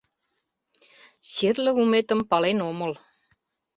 Черле улметым пален омыл.